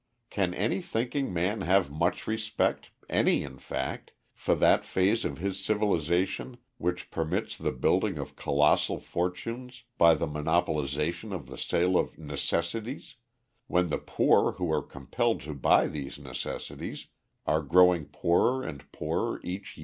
Can any thinking man have much respect any, in fact for that phase of his civilization which permits the building of colossal fortunes by the monopolization of the sale of necessities, when the poor who are compelled to buy these necessities are growing poorer and poorer each year?